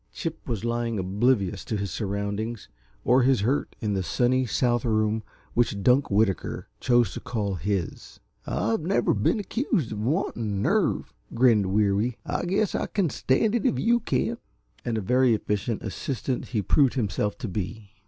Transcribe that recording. Chip was lying oblivious to his surroundings or his hurt in the sunny, south room which Dunk Whitaker chose to call his. "I've never been accused of wanting nerve," grinned Weary. "I guess I can stand it if you can." And a very efficient assistant he proved himself to be.